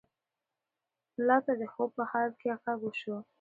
ملا ته د خوب په حال کې غږ وشو.